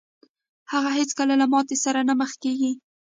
هغه هېڅکله له ماتې سره نه مخ کېږي.